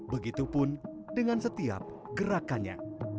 begitupun dengan setiap gerakannya